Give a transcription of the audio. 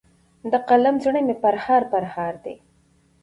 د قلم زړه مي پرهار پرهار دی